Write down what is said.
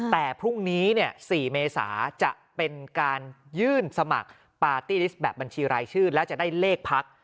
แต่พรุ่งนี้๔เมษาจะเป็นการยื่นสมัครปาร์ตี้ลิสต์แบบบัญชีรายชื่อแล้วจะได้เลขพัก